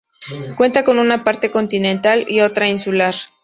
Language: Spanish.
Cuenta con una parte continental y otra insular.